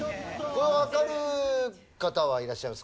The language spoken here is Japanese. これわかる方はいらっしゃいますか？